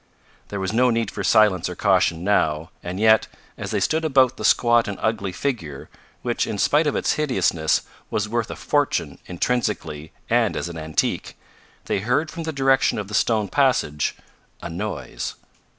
There was no need for silence or caution now; and yet, as they stood about the squat and ugly figure, which, in spite of its hideousness, was worth a fortune intrinsically and as an antique, they heard from the direction of the stone passage a noise.